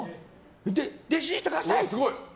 弟子にしてください！って。